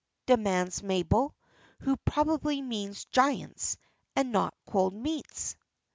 demands Mabel, who probably means giants, and not cold meats.